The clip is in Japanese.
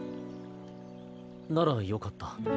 ならよかった。